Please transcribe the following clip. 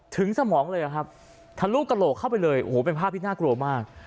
สมองเลยอะครับทะลุกระโหลกเข้าไปเลยโอ้โหเป็นภาพที่น่ากลัวมาก